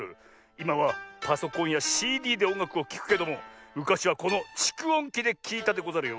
いまはパソコンやＣＤでおんがくをきくけどもむかしはこのちくおんきできいたでござるよ。